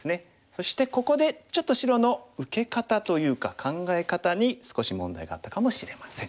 そしてここでちょっと白の受け方というか考え方に少し問題があったかもしれません。